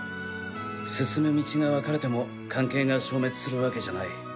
進む道が分かれても関係が消滅するわけじゃない。